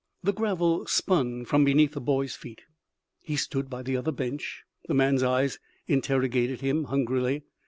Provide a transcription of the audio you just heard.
The gravel spun from beneath the boy's feet. He stood by the other bench. The man's eyes interrogated him, hungrily.